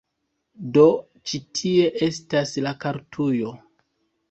Do ĉi tie estas la kartujo